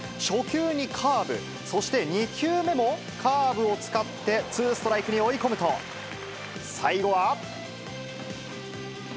初球にカーブ、そして２球目もカーブを使って、ツーストライクに追い込むと、最後は。